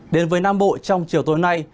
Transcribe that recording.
đến với nam bộ trong chiều tối nay